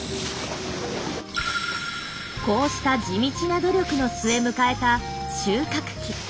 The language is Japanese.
こうした地道な努力の末迎えた収穫期。